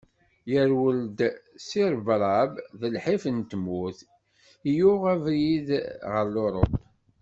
Yerwel-d seg rrebrab d lḥif n tmurt-is yuɣ abrid ɣer Lurup.